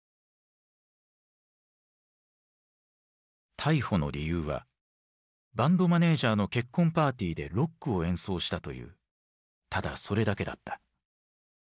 逮捕の理由はバンドマネージャーの結婚パーティーでロックを演奏したというただそれだけだった。